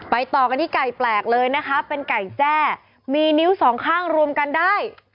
ต่อกันที่ไก่แปลกเลยนะคะเป็นไก่แจ้มีนิ้วสองข้างรวมกันได้